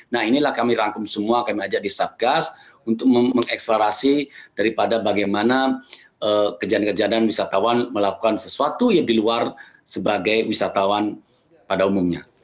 nah inilah kami rangkum semua kami ajak di satgas untuk mengekselerasi daripada bagaimana kejadian kejadian wisatawan melakukan sesuatu yang di luar sebagai wisatawan pada umumnya